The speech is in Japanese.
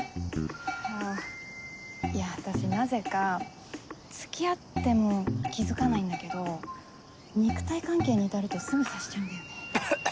あぁいや私なぜかつきあっても気付かないんだけど肉体関係に至るとすぐ察しちゃうんだよね。